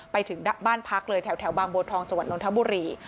ไปถึงบ้านพักเลยแถวบางบัวทองจังหวัดนทบุรี